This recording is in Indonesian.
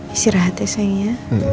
isi rahat ya sayang ya